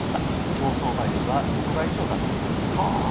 競争倍率は６倍以上だったそうです。